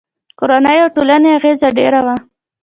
کورنیو او ټولنې اغېز ډېر و.